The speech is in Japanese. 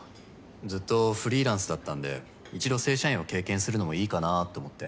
ずっとフリーランスだったんで１度正社員を経験するのもいいかなと思って。